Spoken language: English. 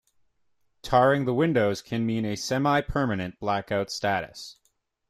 Tarring the windows can mean a semi-permanent blackout status.